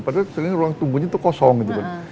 padahal ruang tunggunya itu kosong gitu kan